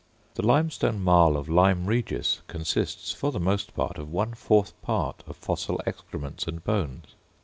The limestone marl of Lyme Regis consists, for the most part, of one fourth part of fossil excrements and bones.